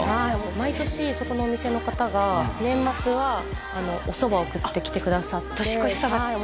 毎年そこのお店の方が年末はおそばを送ってきてくださって年越しそば？